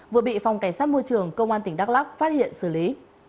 vừa bị phòng cảnh sát môi trường công an tỉnh đắk lắc phát hiện xử lý